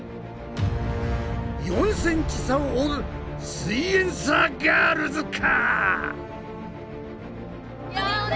４ｃｍ差を追うすイエんサーガールズか？